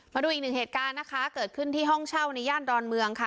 มาดูอีกหนึ่งเหตุการณ์นะคะเกิดขึ้นที่ห้องเช่าในย่านดอนเมืองค่ะ